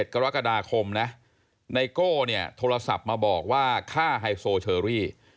กรกฎาคมนะไนโก้เนี่ยโทรศัพท์มาบอกว่าฆ่าไฮโซเชอรี่